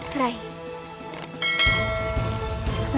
mari ayah anda ibunda